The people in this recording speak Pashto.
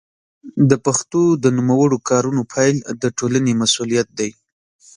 د پښتو د نوموړو کارونو پيل د ټولنې مسوولیت دی.